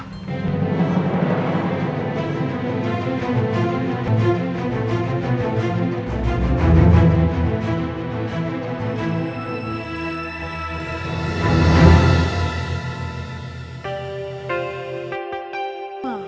tidak ada yang bisa dihukum